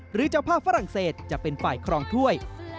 เจ้าภาพฝรั่งเศสจะเป็นฝ่ายครองถ้วย